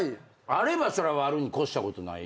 あればそれはあるに越したことない。